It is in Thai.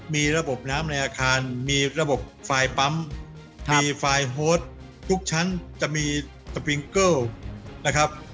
มีระบบน้ำในอาคารมีระบบไฟล์ปั๊มมีไฟล์โฮดทุกชั้นจะมีสปริงเกิลนะครับ